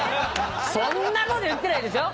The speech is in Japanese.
そんなこと言ってないですよ！